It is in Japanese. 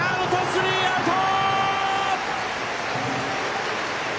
スリーアウト！